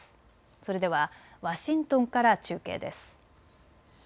それではワシントンから中継です。